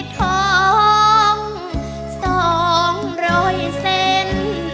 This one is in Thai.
ท้องสองร้อยเซ็น